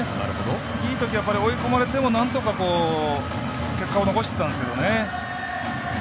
いいとき、追い込まれても結果を残してたんですけどね。